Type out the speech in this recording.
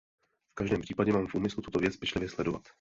V každém případě mám v úmyslu tuto věc pečlivě sledovat.